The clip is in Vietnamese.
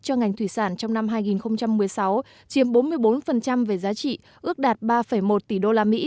cho ngành thủy sản trong năm hai nghìn một mươi sáu chiếm bốn mươi bốn về giá trị ước đạt ba một tỷ usd